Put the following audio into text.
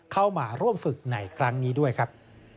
เข้ามาร่วมฝึกในครั้งนี้ด้วยครับ